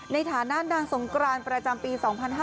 ในฐานะนางสงกรานประจำปี๒๕๕๙